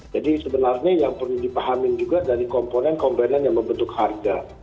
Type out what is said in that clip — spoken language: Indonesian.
jadi sebenarnya yang perlu dipahamin juga dari komponen komponen yang membentuk harga